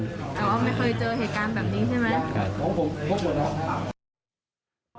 ไม่เคยเจอเหตุการณ์แบบนี้ใช่ไหมค่ะค่ะ